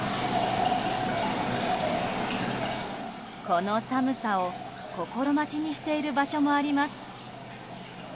この寒さを心待ちにしている場所もあります。